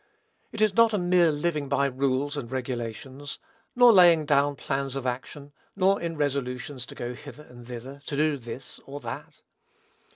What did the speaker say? It is not a mere living by rules and regulations; nor laying down plans of action; nor in resolutions to go hither and thither, to do this or that.